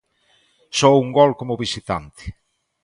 Só un gol como visitante.